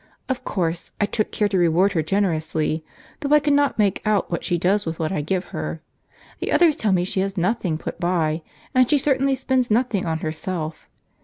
Of course, I took care to reward her generously; though I cannot make out what she does with what I give her. The others tell me she has nothing put by, and she certainly spends nothing on herself.